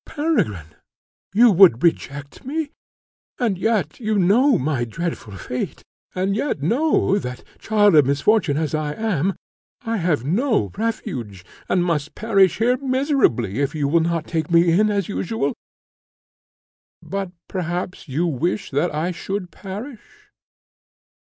Peregrine, you would reject me? and yet know my dreadful fate, and yet know that, child of misfortune as I am, I have no refuge, and must perish here miserably if you will not take me in as usual! But perhaps you wish that I should perish?